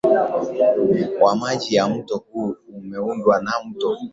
wa maji ya mto huu umeundwa na mto